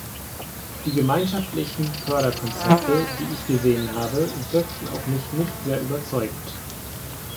Die Gemeinschaftlichen Förderkonzepte, die ich gesehen habe, wirkten auf mich nicht sehr überzeugend.